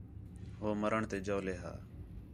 ہو مَرݨ تے جَولے ھا